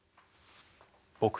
僕。